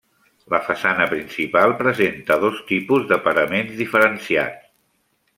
La façana principal presenta dos tipus de paraments diferenciats.